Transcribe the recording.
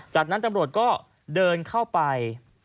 จากนั้นตำรวจก็เดินเข้าไป